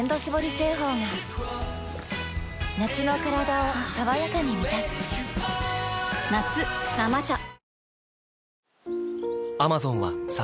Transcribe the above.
製法が夏のカラダを爽やかに満たす夏「生茶」あ！